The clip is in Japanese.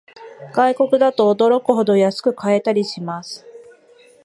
外国だと驚くほど安く買えたりします